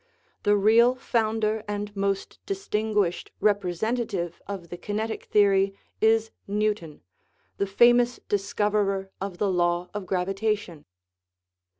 The real founder and most distinguished representative 216 THE LAW OF SUBSTANCE of the kinetic theory is Newton, the famous discoverer of the law of gravitation.